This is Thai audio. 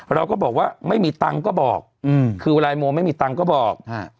เราก็บอกว่าไม่มีตังค์ก็บอกคือเวลาโมไม่มีตังค์ก็บอก